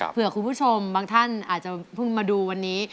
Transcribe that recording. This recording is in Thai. เผื่อคุณผู้ชมบางท่านอาจจะเพิ่งมาดูวันนี้